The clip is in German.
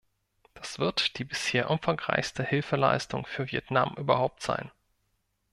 Das wird die bisher umfangreichste Hilfeleistung für Vietnam überhaupt sein.